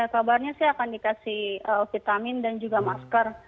kabarnya sih akan dikasih vitamin dan juga masker